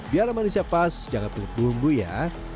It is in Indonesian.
biar aman siap pas jangan peluk bumbu ya